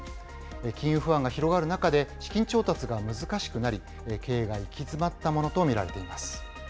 金融不安が広がる中で、資金調達が難しくなり、経営が行き詰ったものと見られています。